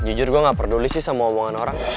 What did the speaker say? jujur gue gak peduli sih sama omongan orang